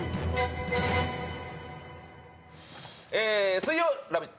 水曜「ラヴィット！」